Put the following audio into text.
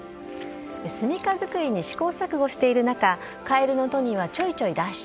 住みか作りに試行錯誤している中、カエルのトニーはちょいちょい脱出。